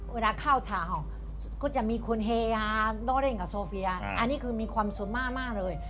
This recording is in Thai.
เวลาเข้าชาวก็จะมีคุณเฮโดดเล่นกับโซเฟียอันนี้คือมีความสุขมากเลย